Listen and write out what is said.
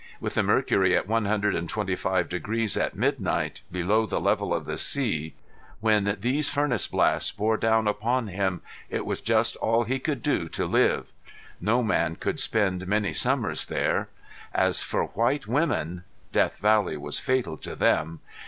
With the mercury at one hundred and twenty five degrees at midnight, below the level of the sea, when these furnace blasts bore down upon him, it was just all he could do to live. No man could spend many summers there. As for white women Death Valley was fatal to them.